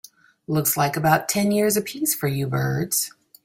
Looks like about ten years a piece for you birds.